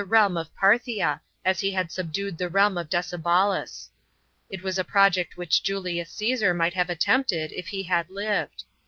realm of Parthla, as he had subdued the realm of Decebalus. It was a project which Julius Csssar might have attempted if he had lived.